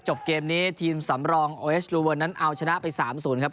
จบเกมนี้ทีมสำรองโอเอสลูเวิร์นนั้นเอาชนะไป๓๐ครับ